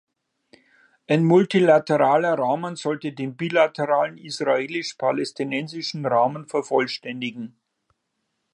Ein multilateraler Rahmen sollte den bilateralen israelisch-palästinensischen Rahmen vervollständigen.